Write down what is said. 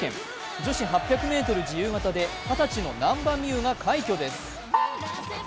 女子８００ｍ自由形で二十歳の難波実夢が快挙です。